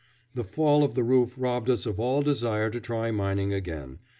The fall of the roof robbed us of all desire to try mining again.